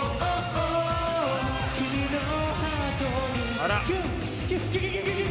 あら。